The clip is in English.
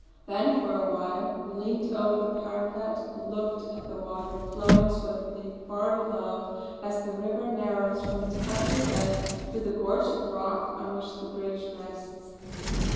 Then for a while we leaned over the parapet and looked at the water flowing swiftly far below as the river narrows from its pebbly bed to the gorge of rock on which the bridge rests.